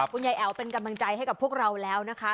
แอ๋วเป็นกำลังใจให้กับพวกเราแล้วนะคะ